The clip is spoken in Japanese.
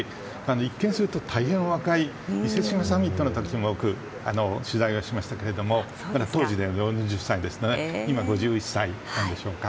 一見すると大変お若い伊勢志摩サミットの時に、僕取材しましたが当時、４０歳ですので今５１歳なんでしょうか。